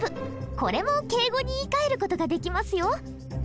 これも敬語に言いかえる事ができますよ。